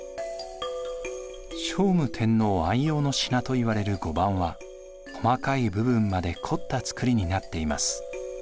聖武天皇愛用の品といわれる碁盤は細かい部分まで凝った作りになっています。